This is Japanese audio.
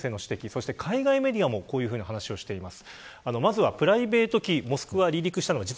そして海外メディアもこのような話をしています。